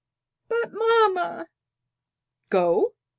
"But, mamma " "Go!"